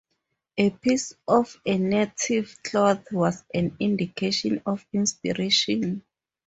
A piece of a native cloth was an indication of inspiration.